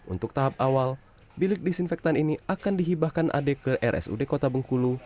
untuk tahap awal bilik disinfektan ini akan dihibahkan ade ke rsud kota bengkulu